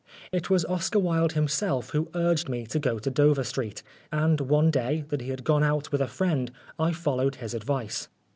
It was Oscar Wilde himself who urged me to go to Dover Street, and one day, that he had gone out with a friend, I followed his advice.